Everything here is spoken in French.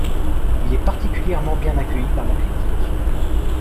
Il est particulièrement bien accueilli par la critique.